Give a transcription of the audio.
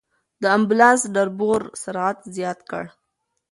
د امبولانس ډرېور سرعت زیات کړ.